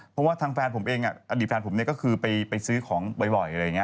เพราะว่าทางแฟนผมเองอดีตแฟนผมเนี่ยก็คือไปซื้อของบ่อยอะไรอย่างนี้